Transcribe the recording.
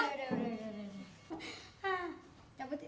udah udah udah